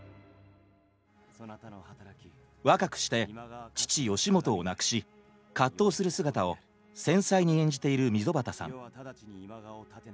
若くして父義元を亡くし葛藤する姿を繊細に演じている溝端さん。